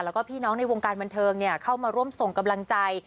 แล้วก็พี่น้องในวงการบันเทิงเข้ามาร่วมส่งกำลังใจ